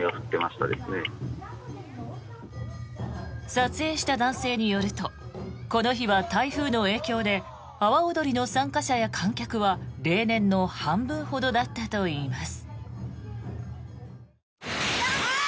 撮影した男性によるとこの日は台風の影響で阿波おどりの参加者や観客は例年の半分ほどだったといいます。